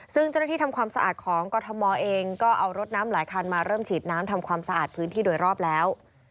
ซึ่งเจ้าหน้าที่ทำความสะอาดของกรทมเองก็เอารถน้ำหลายคันมาเริ่มฉีดน้ำทำความสะอาดพื้นที่โดยรอบแล้ว